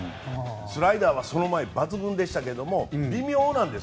スライダーは抜群でしたけど微妙なんです。